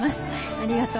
ありがとう。